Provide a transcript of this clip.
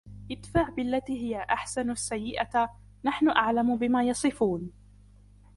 ادفع بالتي هي أحسن السيئة نحن أعلم بما يصفون